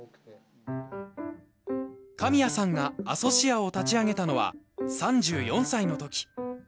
神谷さんがアソシアを立ち上げたのは３４歳の時。